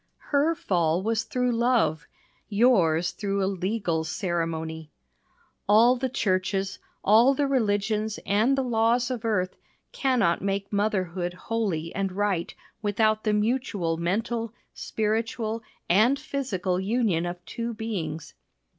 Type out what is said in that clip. Her fall was through love yours through a legal ceremony. All the churches, all the religions and the laws of earth, cannot make motherhood holy and right without the mutual mental, spiritual, and physical union of two beings.